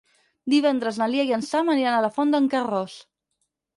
Divendres na Lia i en Sam aniran a la Font d'en Carròs.